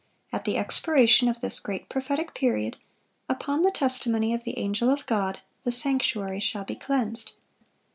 At the expiration of this great prophetic period, upon the testimony of the angel of God, "the sanctuary shall be cleansed."